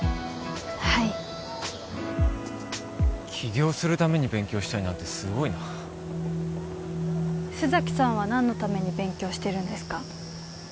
はい起業するために勉強したいなんてすごいな須崎さんは何のために勉強してるんですか？